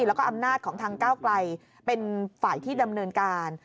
แล้วก็อำนาจของทางก้าวไกลเป็นฝ่ายที่ดำเนินการ